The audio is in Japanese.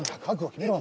決めろ